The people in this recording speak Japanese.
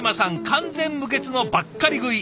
完全無欠のばっかり食い。